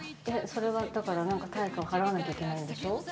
それはだから、なんか対価を払わなきゃいけないんでしょ？